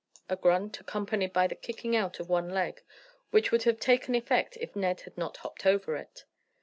A grunt, accompanied by the kicking out of one leg, which would have taken effect if Ned had not hopped over it.